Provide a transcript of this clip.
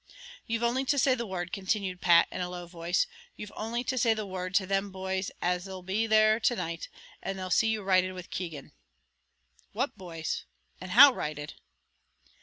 "You've only to say the word," continued Pat, in a low voice, "you've only to say the word to them boys as 'll be there to night, and they'll see you righted with Keegan." "What boys and how righted?"